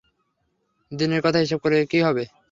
দিনের কথা হিসেব করে কী হবে।